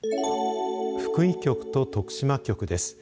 福井局と徳島局です。